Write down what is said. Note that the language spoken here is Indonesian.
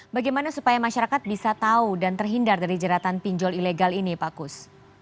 bagaimana supaya masyarakat bisa tahu dan terhindar dari jeratan pinjol ilegal ini pak kus